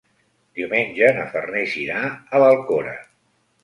Diumenge na Farners irà a l'Alcora.